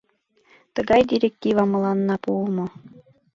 Тыгай директива мыланна пуымо.